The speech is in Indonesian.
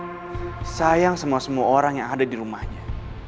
boy itu sayang sama semua orang yang ada di rumahnya